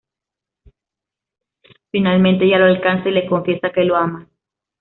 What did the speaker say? Finalmente ella lo alcanza y le confiesa que lo ama.